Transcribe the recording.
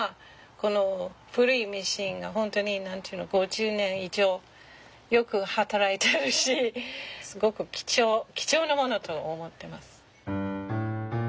この古いミシンが本当に５０年以上よく働いてるしすごく貴重なものと思ってます。